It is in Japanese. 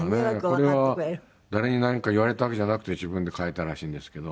これは誰に何か言われたわけじゃなくて自分で書いたらしいんですけど。